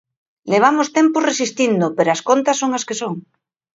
Levamos tempo resistindo, pero as contas son as que son.